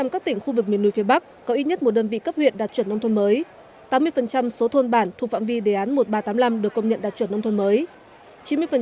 một trăm linh các tỉnh khu vực miền núi phía bắc có ít nhất một đơn vị cấp huyện đạt chuẩn nông thôn mới tám mươi số thôn bản thuộc phạm vi đề án một nghìn ba trăm tám mươi năm được công nhận đạt chuẩn nông thôn mới